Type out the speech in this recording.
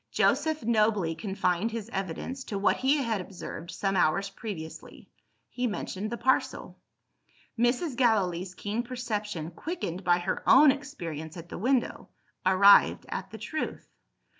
Joseph nobly confined his evidence to what he had observed some hours previously: he mentioned the parcel. Mrs. Gallilee's keen perception, quickened by her own experience at the window, arrived at the truth.